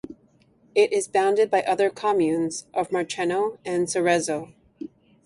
It is bounded by other communes of Marcheno and Sarezzo.